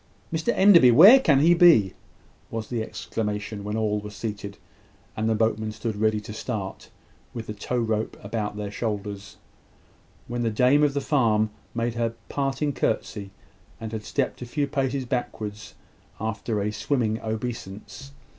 "Mr Enderby! Where can he be?" was the exclamation, when all were seated, and the boatmen stood ready to start, with the tow rope about their shoulders; when the dame of the farm had made her parting curtsey, and had stepped a few paces backward, after her swimming obeisance.